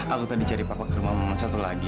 aku tadi cari papa ke rumah mama satu lagi